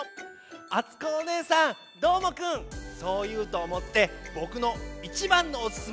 あつこおねえさんどーもくんそういうとおもってぼくのいちばんのおすすめ